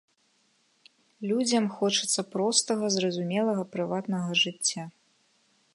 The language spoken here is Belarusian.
Людзям хочацца простага, зразумелага, прыватнага жыцця.